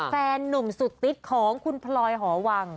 แฟนนุ่มสุดติ๊ดของคุณพลอยหอวัง